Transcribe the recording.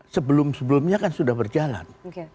sebelum sebelumnya kan sudah berjalan